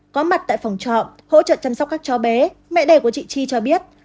có mặt tại phòng trọng hỗ trợ chăm sóc các chó bé mẹ đẻ của chị chi cho biết